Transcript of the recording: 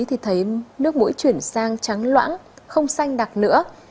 thì thấy nước mũi chuyển sang trắng loãng không xanh đặc nữa